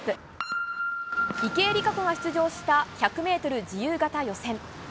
池江璃花子が出場した１００ｍ自由形予選。